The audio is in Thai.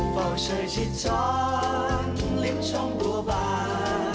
เฝ้าเชยชิดช้อนลิ้นช่องบัวบาน